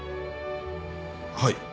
はい。